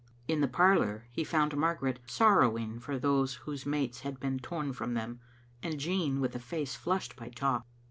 In the parlour he found Margaret sorrowing for those whose mates had been torn from them, and Jean with a face flushed by talk.